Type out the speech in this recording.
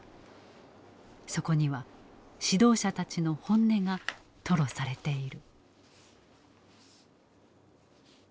そこには指導者たちの本音が吐露されている。